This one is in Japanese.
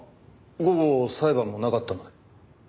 午後裁判もなかったので。